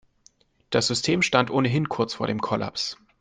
Das System stand ohnehin kurz vor dem Kollaps.